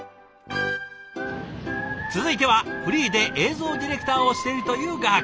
続いてはフリーで映像ディレクターをしているという画伯。